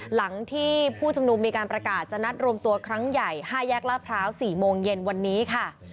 หลังที่ผู้ชุมนุมมีการประกาศจะนัดรวมตัวครั้งใหญ่๕แยกลาดพร้าว๔โมงเย็นวันนี้ค่ะ